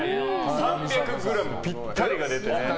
３００ｇぴったりが出て。